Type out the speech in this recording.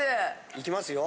いきますよ。